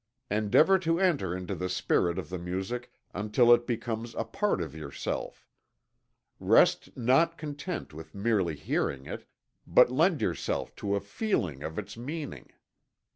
Endeavor to enter into the spirit of the music until it becomes a part of yourself. Rest not content with merely hearing it, but lend yourself to a feeling of its meaning.